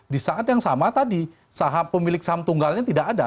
di saat yang sama tadi saham pemilik saham tunggalnya tidak ada